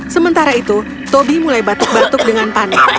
sementara itu tobi mulai batuk batuk dengan panik